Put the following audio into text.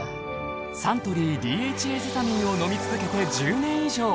サントリーＤＨＡセサミンを飲み続けて１０年以上。